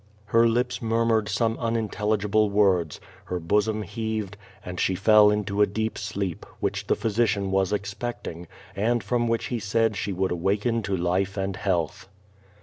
^' Her lips murmured some unintelligible words, her bosom heaved, and she fell into a deep sleep, which the physiciaii was expecting, and from which he said she would awaken to life and health.